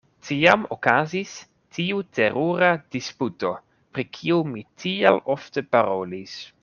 Tiam okazis tiu terura disputo, pri kiu mi tiel ofte parolis.